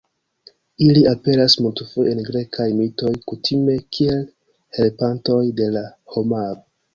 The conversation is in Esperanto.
Ili aperas multfoje en grekaj mitoj, kutime kiel helpantoj de la homaro.